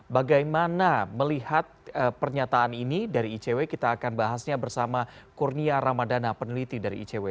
bagaimana melihat pernyataan ini dari icw kita akan bahasnya bersama kurnia ramadana peneliti dari icw